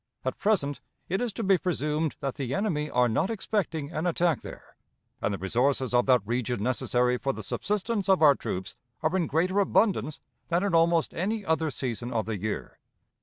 At present, it is to be presumed that the enemy are not expecting an attack there, and the resources of that region necessary for the subsistence of our troops are in greater abundance than in almost any other season of the year.